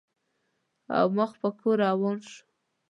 او مخ په کور روان شو.